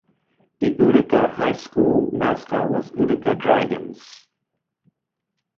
The Utica High School mascot was Utica Dragons.